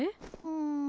うん。